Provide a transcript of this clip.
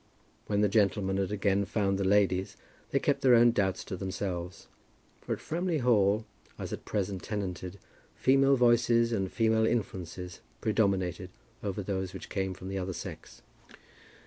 When the gentlemen had again found the ladies, they kept their own doubts to themselves; for at Framley Hall, as at present tenanted, female voices and female influences predominated over those which came from the other sex.